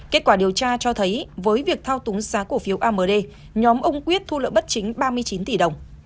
kết quả điều tra cho thấy với việc thao túng giá cổ phiếu amd nhóm ông quyết thu lợi bất chính ba mươi chín tỷ đồng